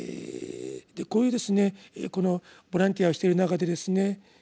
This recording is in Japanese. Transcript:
こういうこのボランティアをしてる中でですね